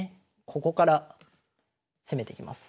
ここから攻めてきます。